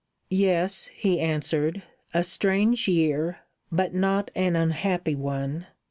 "Yes," he answered. "A strange year, but not an unhappy one.